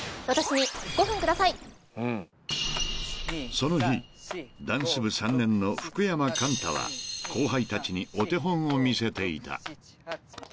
［その日ダンス部３年の福山寛太は後輩たちにお手本を見せていた］